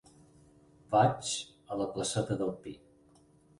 Vaig a la placeta del Pi.